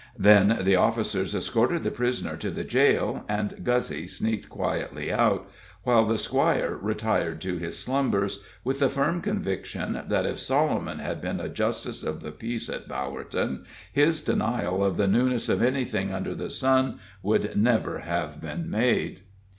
Then the officers escorted the prisoner to the jail, and Guzzy sneaked quietly out, while the squire retired to his slumbers, with the firm conviction that if Solomon had been a justice of the peace at Bowerton, his denial of the newness of anything under the sun would never have been made.